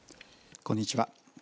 こんにちは。